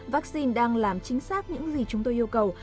vaccine đang làm chính xác những gì chúng tôi yêu cầu